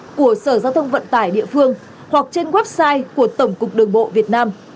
cơ quan chức năng cũng khuyến cáo các phương tiện kinh doanh vận tải địa phương hoặc trên website của tổng cục đường bộ việt nam